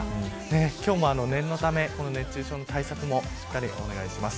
今日も念のため、熱中症の対策もしっかりお願いします。